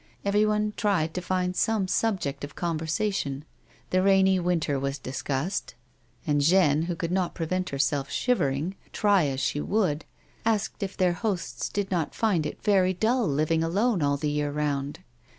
Everyone tried to find some sub ject of conversation ; the rainy winter was discussed, and A WOMAN'S LIFE. 89 Jeanne, who could not prevent herself shivering, try as she ■would, asked if their hosts did not find it very dull living alone all the year round.